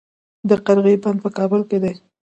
د قرغې بند په کابل کې دی